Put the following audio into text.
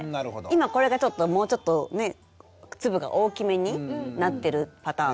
今これがちょっともうちょっとね粒が大きめになってるパターンですね。